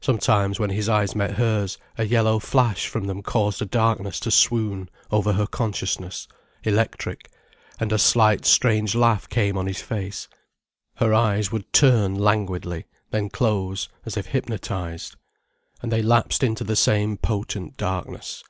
Sometimes, when his eyes met hers, a yellow flash from them caused a darkness to swoon over her consciousness, electric, and a slight strange laugh came on his face. Her eyes would turn languidly, then close, as if hypnotized. And they lapsed into the same potent darkness.